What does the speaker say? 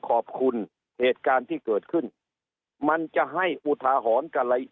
เหตุการณ์ที่เกิดขึ้นมันจะให้อุทาหรณ์กับอะไร